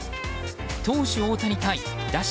投手・大谷対打者